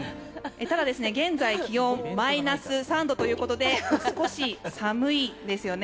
現在、気温はマイナス３度ということで少し寒いですよね。